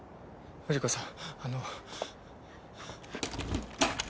藤子さん。